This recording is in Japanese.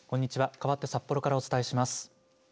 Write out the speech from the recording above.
かわって札幌からお伝えします。